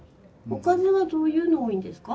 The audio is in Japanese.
おかずはどういうの多いんですか？